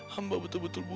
hamba betul betul buruk